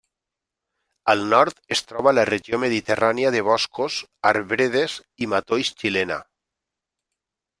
Al nord es troba la regió mediterrània de boscos, arbredes i matolls xilena.